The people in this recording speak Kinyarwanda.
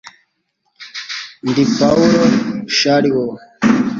ndi pawulo sharlow